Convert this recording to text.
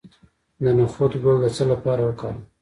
د نخود ګل د څه لپاره وکاروم؟